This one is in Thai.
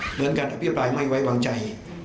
เหมือนการอภิปรายไม่ไว้วางใจ